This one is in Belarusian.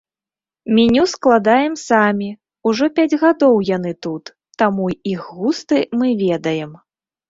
Меню складаем самі, ужо пяць гадоў яны тут, таму іх густы мы ведаем.